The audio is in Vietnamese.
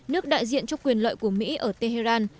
nước đại diện cho quyền lợi của mỹ ở tehran